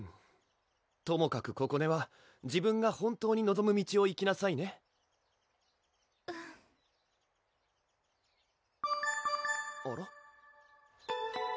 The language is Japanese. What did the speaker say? ともかくここねは自分が本当にのぞむ道を行きなさいねうんあら？